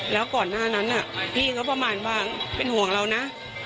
แล้วก่อนหน้านั้นพี่ก็ประมาณว่าเป็นห่วงเรานะ